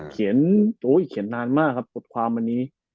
เขียนนานมากครับบทความวันนี้